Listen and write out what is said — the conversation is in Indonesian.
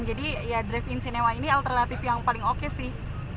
jadi ya drive in cinema ini alternatif yang paling oke sih